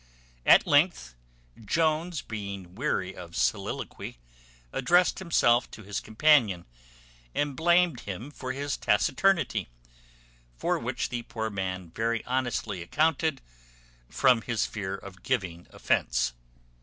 At length, Jones, being weary of soliloquy, addressed himself to his companion, and blamed him for his taciturnity; for which the poor man very honestly accounted, from his fear of giving offence.